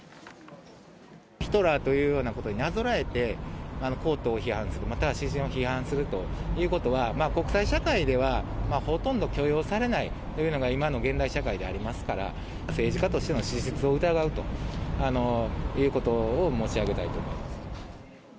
ヒトラーということになぞらえて、公党を批判する、または私人を批判するということは、国際社会ではほとんど許容されないというのが、今の現代社会でありますから、政治家としての資質を疑うということを申し上げたいと思います。